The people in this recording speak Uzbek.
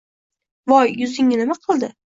Voy, yuzingizga nima qildi?